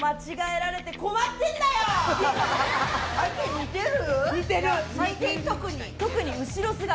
似てる！